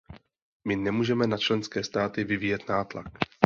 My nemůžeme na členské státy vyvíjet nátlak.